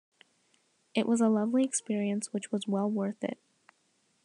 It was a lovely experience which was well worth it.